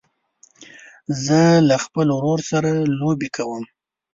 زه له خپل ورور سره لوبې کوم.